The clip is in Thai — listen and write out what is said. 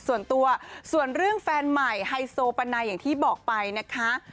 ส่วนตัวส่วนเรื่องแฟนใหม่ไฮโซปานาอย่างที่บอกไปนะคะ